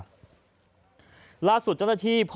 ผมรู้จังที่เจ้าหน้าที่พบศพ